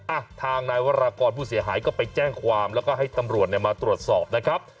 อ่ะทางนายวรากรผู้เสียหายก็ไปแจ้งความแล้วก็ให้ตำรวจเนี่ยมาตรวจสอบนะครับ